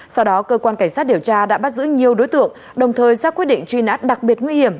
sau đó cơ quan cảnh sát điều tra đã bắt giữ nhiều đối tượng đồng thời ra quyết định truy nã đặc biệt nguy hiểm